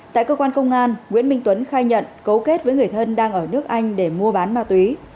tại cơ quan công an nguyễn minh tuấn khai nhận cấu kết với người thân đang ở nước anh để mua bán ma túy